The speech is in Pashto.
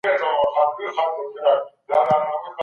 د خوړو مسمومیت د ټولنې په اقتصادي وده ناوړه اغېز لري.